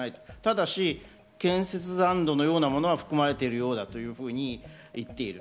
ただし建設残土のようなものは含まれているようだと言っている。